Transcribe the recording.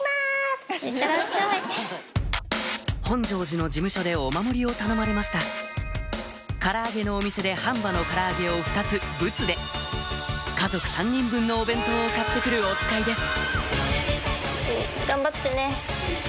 本成寺の寺務所でお守りを頼まれましたから揚げのお店で半羽のから揚げを２つブツで家族３人分のお弁当を買って来るおつかいです